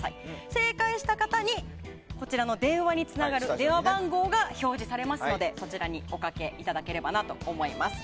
正解した方に、こちらの電話に電話番号が表示されますのでそちらにおかけいただければと思います。